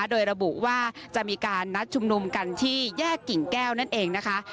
โดยระบุว่าจะมีการนัดชุมนุมกันที่แยกกิ่งแก้วนั่นเองนะคะ